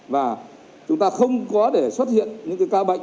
và chúng ta không có để xuất hiện những ca bệnh